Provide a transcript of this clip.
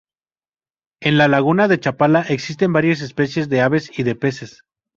En la laguna de Chapala existen varias especies de aves y de peces.